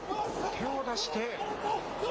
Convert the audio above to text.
手を出して。